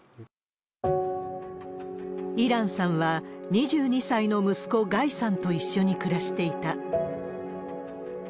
イランさんは、２２歳の息子、ガイさんと一緒に暮らしていた。